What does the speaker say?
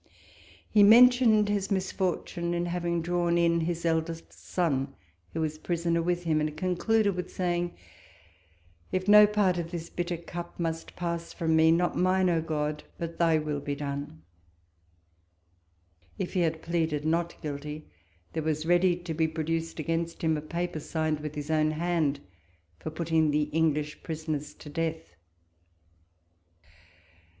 He mentioned his misfortune in having drawn in his eldest son, who is prisoner with him ; and concluded with saying, " If no part of this bitter cup must pass from me, not mine, O God, but thy will be done 1 " If he had pleaded not riuUfij, there was ready to be produced against him a paper signed with his own hand, for putting the English prisoners to death.